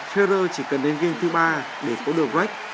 ferrer chỉ cần đến game thứ ba để cố được rách